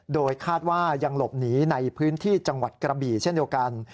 โดยคาดว่ายังหลบหนีในพื้นที่จังหวัดกระบี่เช่นเดียวกัน